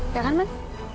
iya kan man